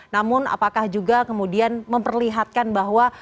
namun apakah juga kemudian memperlihatkan bahwa